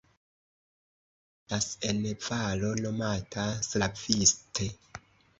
La vilaĝo kuŝas en valo nomata Slaviste.